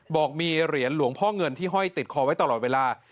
บอกมีเหรียญหลวงพ่อเงินที่ห้อยติดคอไว้ตลอดเวลา